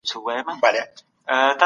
ما یو نوی پلان جوړ کړی دی.